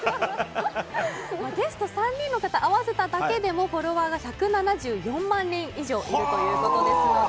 ゲスト３人の方を合わせただけでもフォロワーが１７４万人いるということですので。